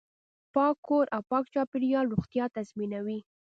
پاک کور او پاک چاپیریال روغتیا تضمینوي.